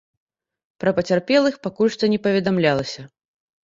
Пра пацярпелых пакуль што не паведамлялася.